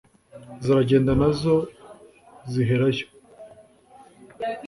ziragenda nazo ziherayo.